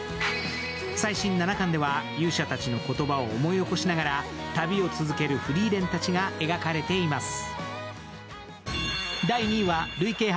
最新７巻では勇者たちの言葉を思い起こしながら旅を続けるフリーレンたちが描かれています。